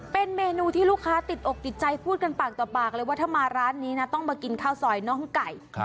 เป็นเมนูที่ลูกค้าติดอกติดใจพูดกันปากต่อปากเลยว่าถ้ามาร้านนี้นะต้องมากินข้าวซอยน้องไก่